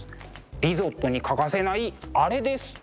リゾットに欠かせないアレです。